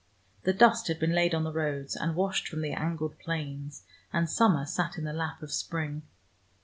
The dust had been laid on the roads, and washed from the angled planes, and summer sat in the lap of spring.